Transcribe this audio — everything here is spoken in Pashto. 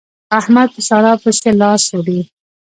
احمد په سارا پسې لاس وړي.